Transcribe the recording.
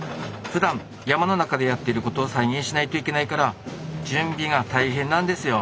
ふだん山の中でやってることを再現しないといけないから準備が大変なんですよ。